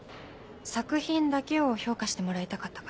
作品だけを評価してもらいたかったから。